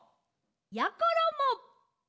やころも。